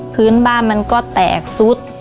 พื้นบ้านมันก็แตกซุด